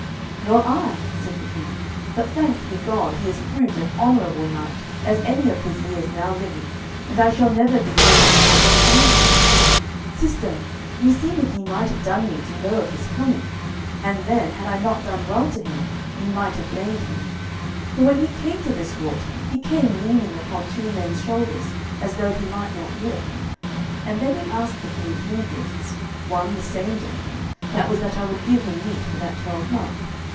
"Nor I," said the King; "but thanked be God, he is proved an honourable knight as any of his years now living, and I shall never be glad till I may find him. Sister, me seemeth ye might have done me to know of his coming, and then, had I not done well to him, ye might have blamed me. For when he came to this court, he came leaning upon two men's shoulders, as though he might not walk. And then he asked of me three gifts, one the same day, that was that I would give him meat for that twelvemonth.